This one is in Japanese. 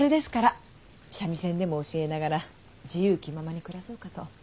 三味線でも教えながら自由気ままに暮らそうかと。